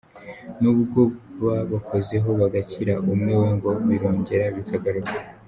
N’ubwo babakozeho bagakira umwe we ngo birongera bikagaruka.